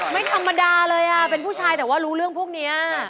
ไม่ธรรมดาเลยเป็นผู้ชายแต่ว่ารู้เรื่องพวกนี้